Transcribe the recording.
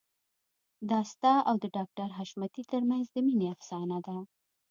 دا ستا او د ډاکټر حشمتي ترمنځ د مينې افسانه ده